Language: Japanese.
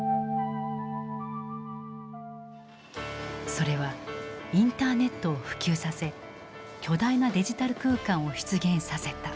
それはインターネットを普及させ巨大なデジタル空間を出現させた。